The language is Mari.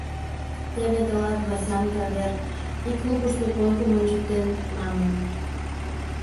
«Теве тылат, Васянка, вер! — ик лукышто койкым ончыктен манын.